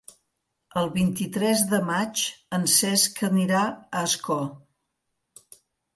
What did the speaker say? El vint-i-tres de maig en Cesc anirà a Ascó.